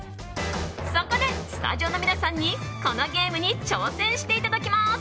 そこでスタジオの皆さんにこのゲームに挑戦していただきます。